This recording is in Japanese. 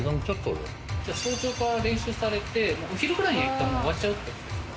早朝から練習されてお昼くらいにはいったん終わっちゃうって感じですか？